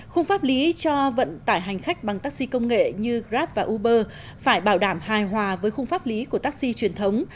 khung pháp lý cho vận tải hành khách bằng taxi công nghệ như grab và uber phải bảo đảm hài hòa với khung pháp lý của taxi truyền thống